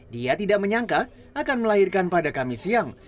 dia tidak menyangka akan melahirkan pada kamis siang